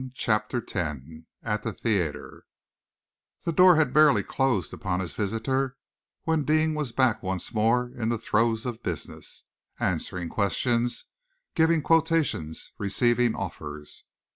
CHAPTER X AT THE THEATRE The door had barely closed upon his visitor when Deane was back once more in the throes of business, answering questions, giving quotations, receiving offers.